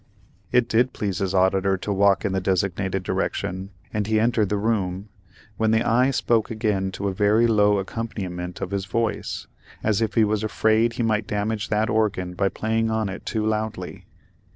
It did please his auditor to walk in the designated direction, and he entered the room, when the eye spoke again to a very low accompaniment of the voice, as if he was afraid he might damage that organ by playing on it too loudly.